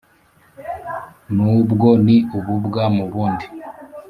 n’ubwo ni ububwa mu bundi